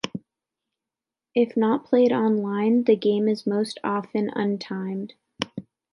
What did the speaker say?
If not played online the game is most often untimed.